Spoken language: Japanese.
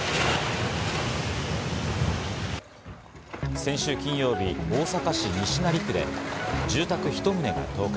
先週金曜日、大阪市西成区で住宅１棟が倒壊。